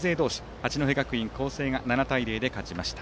八戸学院光星が７対０で勝ちました。